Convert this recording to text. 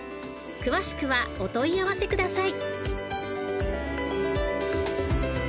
［詳しくはお問い合わせください］